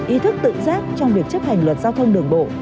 ý thức tự giác trong việc chấp hành luật giao thông đường bộ